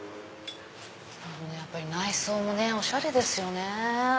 やっぱり内装もおしゃれですよね。